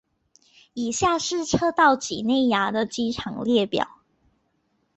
以下是赤道畿内亚的机场列表。